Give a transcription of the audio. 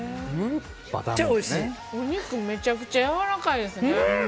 お肉めちゃくちゃやわらかいですね。